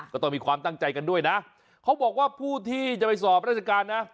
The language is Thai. ก็ต้องมีความตั้งใจกันด้วยนะเขาบอกว่าผู้ที่จะไปสอบราชการนะ